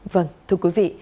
vâng thưa quý vị